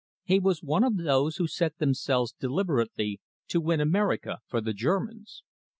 He was one of those who set themselves deliberately to win America for the Germans.